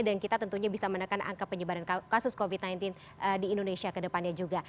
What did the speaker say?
dan kita tentunya bisa menekan angka penyebaran kasus covid sembilan belas di indonesia ke depannya juga